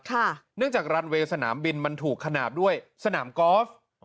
เนื่องจากรันเวย์สนามบินมันถูกขนาดด้วยสนามกอล์ฟ